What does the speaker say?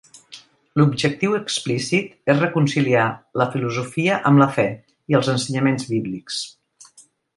L'objectiu explícit és reconciliar la filosofia amb la fe i els ensenyaments bíblics.